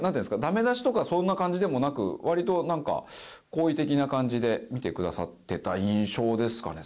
ダメ出しとかそんな感じでもなく割となんか好意的な感じで見てくださってた印象ですかね。